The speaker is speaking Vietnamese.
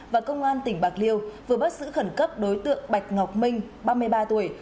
và công an tỉnh bạc liêu vừa bắt giữ khẩn cấp đối tượng bạch ngọc minh ba mươi ba tuổi